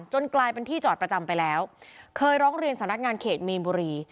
กลายเป็นที่จอดประจำไปแล้วเคยร้องเรียนสำนักงานเขตมีนบุรี